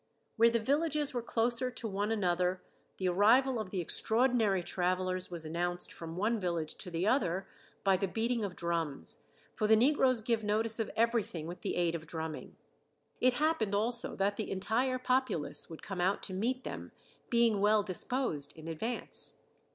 Where the villages were closer to one another the arrival of the extraordinary travelers was announced from one village to the other by the beating of drums, for the negroes give notice of everything with the aid of drumming. It happened also that the entire populace would come out to meet them, being well disposed in advance.